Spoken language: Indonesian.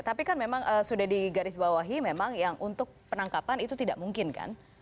tapi memang sudah di garis bawahi memang yang untuk penangkapan itu tidak mungkin kan